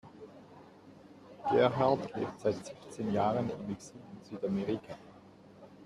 Gerhard lebt seit siebzehn Jahren im Exil in Südamerika.